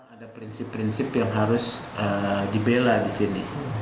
ada prinsip prinsip yang harus dibela di sini